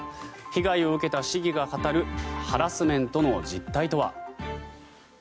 被害を受けた市議が語るハラスメントの実態とは。